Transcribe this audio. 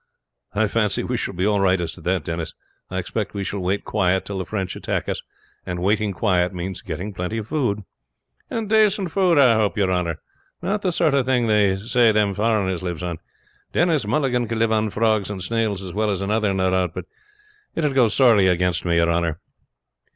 "I fancy we shall be all right as to that, Denis. I expect that we shall wait quiet till the French attack us, and waiting quiet means getting plenty of food." "And dacent food, I hope, your honor; not the sort of thing they say them foreigners lives on. Denis Mulligan could live on frogs and snails as well as another, no doubt; but it would go sorely against me, your honor."